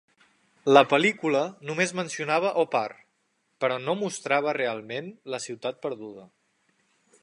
La pel·lícula només mencionava Opar, però no mostrava realment la ciutat perduda.